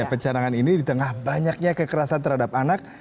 pencanangan ini di tengah banyaknya kekerasan terhadap anak